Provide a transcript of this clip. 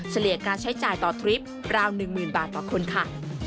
เลี่ยการใช้จ่ายต่อทริปราว๑๐๐๐บาทต่อคนค่ะ